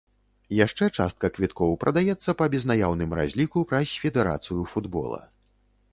Яшчэ частка квіткоў прадаецца па безнаяўным разліку праз федэрацыю футбола.